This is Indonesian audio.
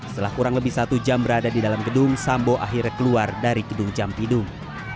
setelah kurang lebih satu jam berada di dalam gedung sambo akhirnya keluar dari gedung jampidung